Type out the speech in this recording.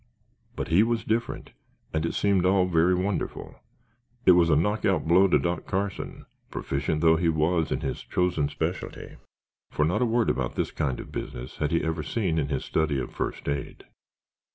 But he was different, and it seemed all very wonderful. It was a knockout blow to Doc Carson, proficient though he was in his chosen specialty, for not a word about this kind of business had he ever seen in his study of First Aid.